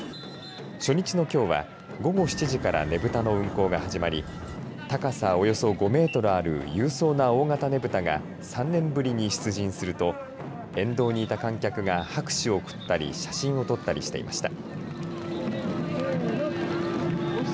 初日のきょうは午後７時からねぶたの運行が始まり高さおよそ５メートルある勇壮な大型ねぶたが３年ぶりに出陣すると沿道にいた観客が拍手を送ったり写真を撮ったりしていました。